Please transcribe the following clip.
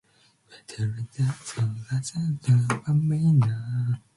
Three communities are thus portrayed as emerging from the separation.